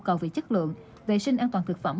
có chứng nhận an toàn thực phẩm